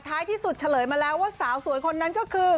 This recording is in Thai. ที่สุดเฉลยมาแล้วว่าสาวสวยคนนั้นก็คือ